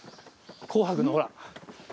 紅白のほら。